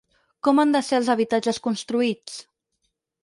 Com han de ser els habitatges construïts?